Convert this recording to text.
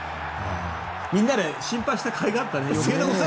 みんなで心配したかいがあったね